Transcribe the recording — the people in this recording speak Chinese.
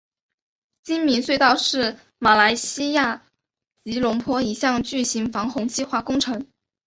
精明隧道是马来西亚吉隆坡一项巨型防洪计划工程。